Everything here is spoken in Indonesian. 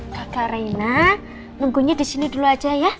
kakak reina nunggunya di sini dulu aja ya